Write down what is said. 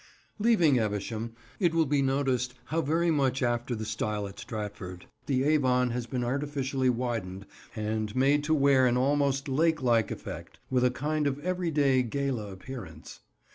Leaving Evesham, it will be noticed how very much after the style at Stratford the Avon has been artificially widened and made to wear an almost lakelike effect, with a kind of everyday gala appearance.